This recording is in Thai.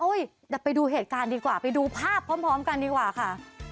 เดี๋ยวไปดูเหตุการณ์ดีกว่าไปดูภาพพร้อมกันดีกว่าค่ะ